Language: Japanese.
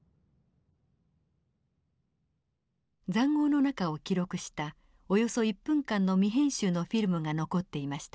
塹壕の中を記録したおよそ１分間の未編集のフィルムが残っていました。